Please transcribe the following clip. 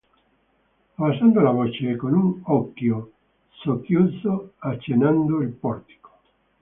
Abbassando la voce e con un occhio socchiuso accennando il portico.